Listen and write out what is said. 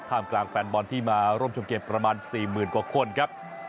กลางแฟนบอลที่มาร่วมชมเกมประมาณ๔๐๐๐กว่าคนครับ